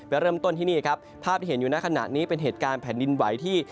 เริ่มต้นที่นี่ครับภาพที่เห็นอยู่ในขณะนี้เป็นเหตุการณ์แผ่นดินไหวที่